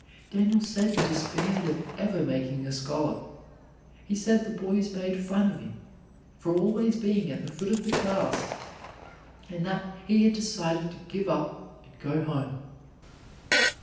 Daniel said he despaired of ever making a scholar. He said the boys made fun of him, for always being at the foot of the class, and that he had decided to give up and go home.